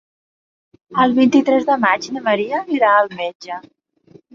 El vint-i-tres de maig na Maria irà al metge.